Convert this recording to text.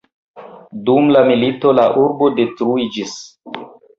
Dum la milito la urbo detruiĝis.